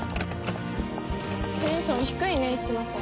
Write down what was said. テンション低いね一ノ瀬。